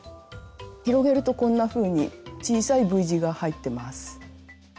広げるとこんなふうに小さいＶ字が入ってます。